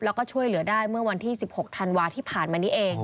แล้วก็ช่วยเหลือได้เมื่อวันที่๑๖ธันวาที่ผ่านมานี้เอง